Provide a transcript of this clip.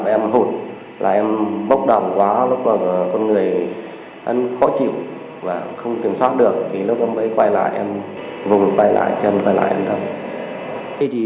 em bốc đầm quá lúc đó có người khó chịu và không kiểm soát được lúc đó mới quay lại em vùng quay lại chân quay lại em thân